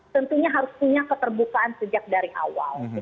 tentunya harus punya keterbukaan sejak dari awal